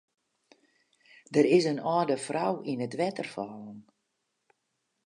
Der is in âlde frou yn it wetter fallen.